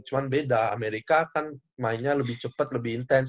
cuma beda amerika kan mainnya lebih cepat lebih intens